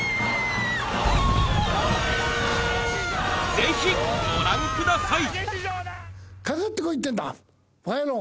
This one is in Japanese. ぜひご覧ください